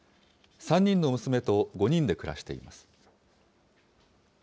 ３人の娘と５人で暮らしています。